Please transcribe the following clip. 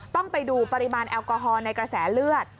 ต้องไปดูปริมาณแอลกอฮอล์ในกระแสเลือด